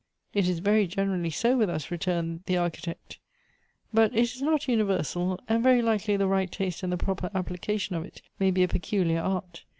" It is very generally so with us," returned the Archi tect, " but it is not universal : and very likely the right taste and the proper application of it may be a peculiar art.